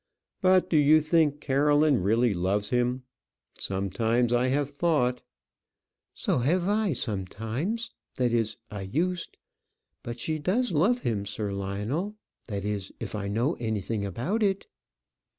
But do you think Caroline really loves him? Sometimes I have thought " "So have I, sometimes; that is I used. But she does love him, Sir Lionel; that is, if I know anything about it."